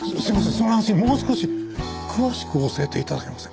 その話もう少し詳しく教えて頂けませんか？